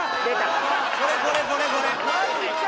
これこれこれこれマジか！？